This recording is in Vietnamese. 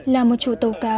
là một chủ tàu cá